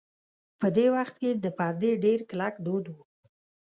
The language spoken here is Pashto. په دې وخت کې د پردې ډېر کلک دود و.